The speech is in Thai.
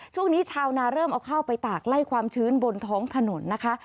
ช่วงนี้ชาวนาเริ่มเอาข้าวไปตากไล่ความชื้นบนท้องถนนนะคะ